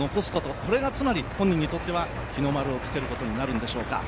これがつまり本人にとっては日の丸をつけることになるんでしょうか。